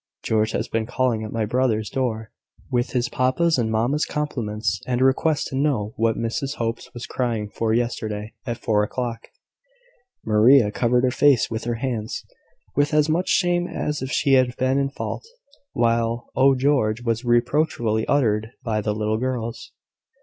George has been calling at my brother's door, with his papa's and mamma's compliments, and a request to know what Mrs Hope was crying for yesterday, at four o'clock." Maria covered her face with her hands, with as much shame as if she had been in fault, while "Oh, George!" was reproachfully uttered by the little girls.